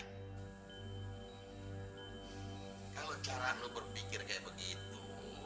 kalau cara nu berpikir kayak begitu